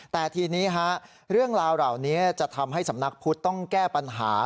แต่ทีนี้เรื่องราวเหล่านี้จะทำให้สำนักพุทธต้องแก้ปัญหา